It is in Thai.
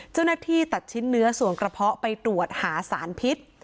เจ้าหน้าที่ตัดชิ้นเนื้อส่วนกระเพาะไปตรวจหาสารพิษ